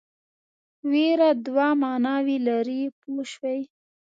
وېره دوه معناوې لري پوه شوې!.